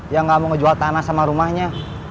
yang tidak mau jual tanah sama rumahnya